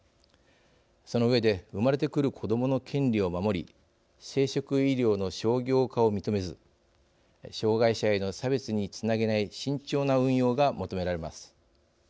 そのうえで生まれてくる子どもの権利を守り生殖医療の商業化を認めず障害者への差別につなげない慎重な運用が求められます。